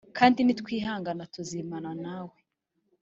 kandi ni twihangana, tuzimana na we;